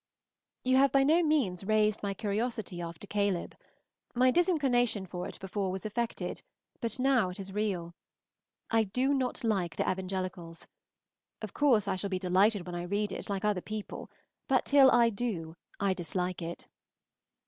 You have by no means raised my curiosity after Caleb. My disinclination for it before was affected, but now it is real. I do not like the evangelicals. Of course I shall be delighted when I read it, like other people; but till I do I dislike it.